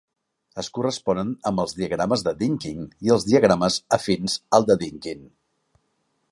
Es corresponen amb els diagrames de Dynkin i els diagrames afins al de Dynkin.